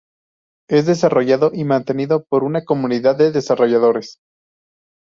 Es desarrollado y mantenido por una comunidad de desarrolladores.